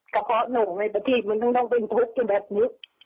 กภอดิ์หนูไงปฏิพย์มึงต้องเป็นพลุทธสิแบบนี้